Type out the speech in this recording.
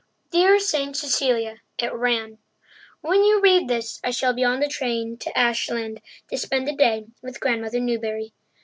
Dear Saint Cecilia [it ran], when you read this I shall be on the train to Ashland to spend the day with Grandmother Newbury.